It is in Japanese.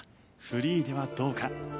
フリーではどうか？